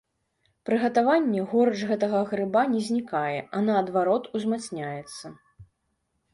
Пры гатаванні горыч гэтага грыба не знікае, а наадварот, узмацняецца.